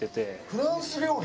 フランス料理？